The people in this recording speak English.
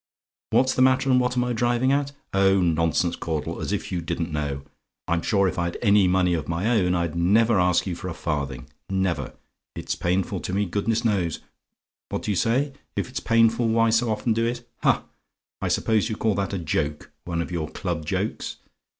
"WHAT'S THE MATTER AND WHAT AM I DRIVING AT? "Oh, nonsense, Caudle! As if you didn't know! I'm sure if I'd any money of my own, I'd never ask you for a farthing; never; it's painful to me, goodness knows! What do you say? "IF IT'S PAINFUL, WHY SO OFTEN DO IT? "Ha! I suppose you call that a joke one of your club jokes?